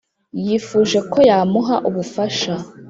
yifuje ko yamuha ubufasha